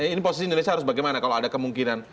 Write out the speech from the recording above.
ini posisi indonesia harus bagaimana kalau ada kemungkinan